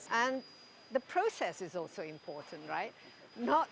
dan prosesnya juga penting